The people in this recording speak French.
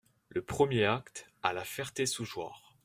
Le premier acte, à La Ferté-sous-Jouarre.